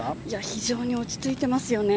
非常に落ち着いていますよね。